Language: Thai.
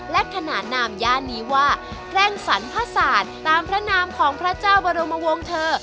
และขนานนามย่านนี้ว่าแพร่งสรรพศาสตร์ตามพระนามของพระเจ้าบรมวงเธอ